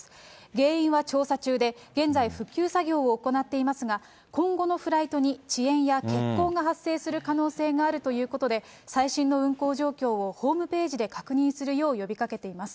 原因は調査中で、現在、復旧作業を行っていますが、今後のフライトに遅延や欠航が発生する可能性があるということで、最新の運航状況をホームページで確認するよう呼びかけています。